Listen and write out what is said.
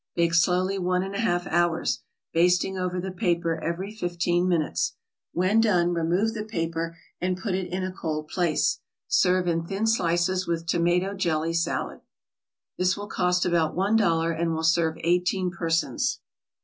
Bake slowly one and a half hours, basting over the paper every fifteen minutes. When done, remove the paper, and put in a cold place. Serve in thin slices with tomato jelly salad. This will cost about one dollar and will serve eighteen persons.